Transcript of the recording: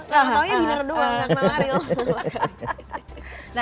gak tau taunya binar doang gak kenal ariel